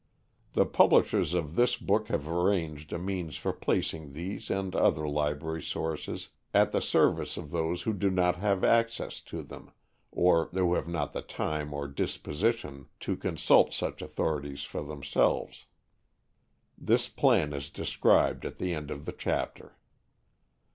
The publishers of this book have arranged a means for placing these and other library sources at the service of those who do not have access to them, or who have not the time or disposition to consult such authorities for themselves. This plan is described at the end of the chapter.